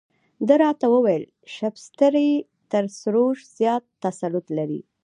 ده راته وویل شبستري تر سروش زیات تسلط لري.